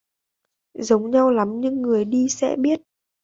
Giống nhau lắm nhưng người đi sẽ biết